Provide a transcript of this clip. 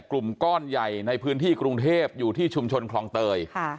กลุ่มก้อนใหญ่ในพื้นที่กรุงเทพอยู่ที่ชุมชนคลองเตย